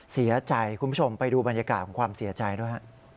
คุณผู้ชมไปดูบรรยากาศของความเสียใจด้วยฮะ